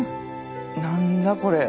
何だこれ。